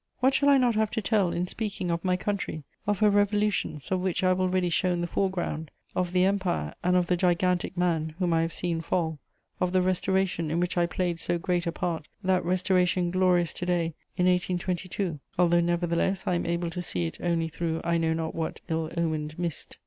What shall I not have to tell in speaking of my country; of her revolutions, of which I have already shown the fore ground; of the Empire and of the gigantic man whom I have seen fall; of the Restoration in which I played so great a part, that Restoration glorious to day, in 1822, although nevertheless I am able to see it only through I know not what ill omened mist?